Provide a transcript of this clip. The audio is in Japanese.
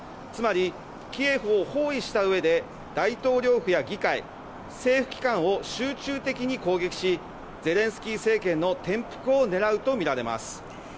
つまり、キエフを包囲したうえで大統領府や議会政府機関を集中的に攻撃しゼレンスキー政権の転覆を狙うとみられます。